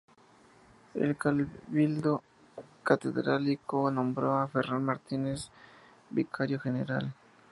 El cabildo catedralicio nombró a Ferrán Martínez vicario general.